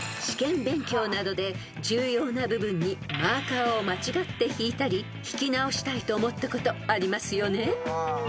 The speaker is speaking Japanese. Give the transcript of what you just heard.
［試験勉強などで重要な部分にマーカーを間違って引いたり引き直したいと思ったことありますよね？］